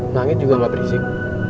langit juga gak berisik